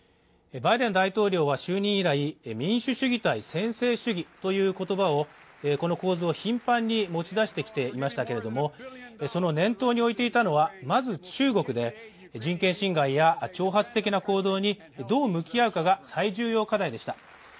バイデン大統領は就任以来、民主主義対専制主義という構図を頻繁に持ち出してきていましたけれども、その念頭に置いていたのはまず中国で人権侵害や、挑発的な行動にどう向き合うかが最重要課題でした。